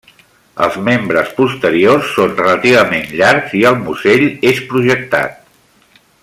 Els membres posteriors són relativament llargs i el musell és projectat.